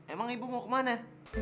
emang ibu mau ke mana